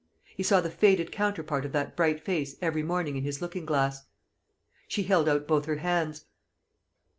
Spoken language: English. He saw the faded counterpart of that bright face every morning in his looking glass. She held out both her hands.